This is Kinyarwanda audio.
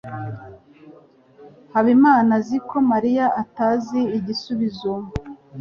Habimana azi ko Mariya atazi igisubizo.